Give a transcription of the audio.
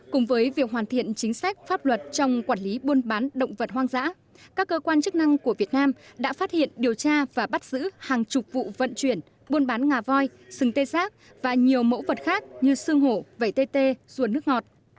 cùng với việc hoàn thiện chính sách pháp luật trong quản lý buôn bán động vật hoang dã các cơ quan chức năng của việt nam đã phát hiện điều tra và bắt giữ hàng chục vụ vận chuyển buôn bán ngà voi sừng tê giác và nhiều mẫu vật khác như sương hổ vẩy tê tê ruộng nước ngọt